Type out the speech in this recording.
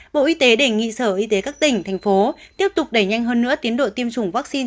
bộ y tế đề nghị sở y tế các tỉnh thành phố tiếp tục đẩy nhanh hơn nữa tiến độ tiêm chủng vaccine